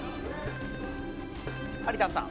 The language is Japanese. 有田さん。